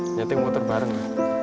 setting motor bareng ya